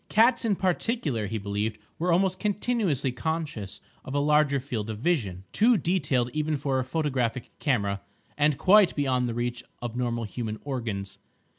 Cats, in particular, he believed, were almost continuously conscious of a larger field of vision, too detailed even for a photographic camera, and quite beyond the reach of normal human organs.